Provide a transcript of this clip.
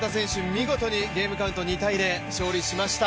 見事にゲームカウント２−０勝利しました。